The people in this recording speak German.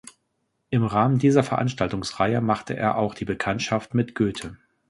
Im Rahmen dieser Veranstaltungsreihe machte er auch die Bekanntschaft mit Goethe.